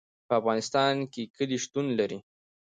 په افغانستان کې کلي شتون لري.